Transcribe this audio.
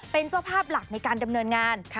เป็นเจ้าภาพหลักในการดำเนินงาน